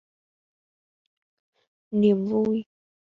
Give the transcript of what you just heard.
niềm vui